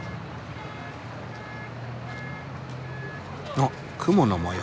おっ雲の模様。